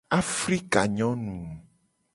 Afrikanyonu!